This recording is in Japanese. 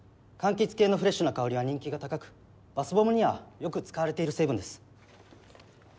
柑橘系のフレッシュな香りは人気が高くバスボムにはよく使われている成分です。